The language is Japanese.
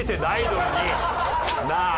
なあ！